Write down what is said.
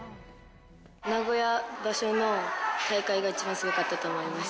名古屋場所の大会が一番すごかったと思います。